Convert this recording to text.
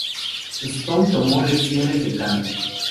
Stone tomó lecciones de canto.